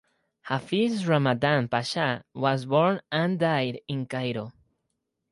Hafiz Ramadan Pasha was born and died in Cairo.